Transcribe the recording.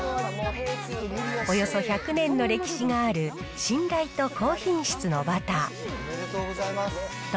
およそ１００年の歴史がある信頼と高品質のバター。